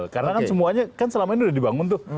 karena kan semuanya kan selama ini udah dibangun tuh